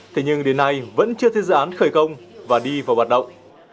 thế nhưng đến nay vẫn chưa thấy dự án khởi công và đi vào hoạt động